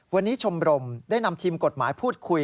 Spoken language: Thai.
วันนี้ชมรมได้นำทีมกฎหมายพูดคุย